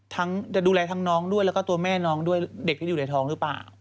จะดูแลทั้งน้องด้วยแล้วก็ตัวแม่น้องด้วยเด็กที่อยู่ในท้องหรือเปล่า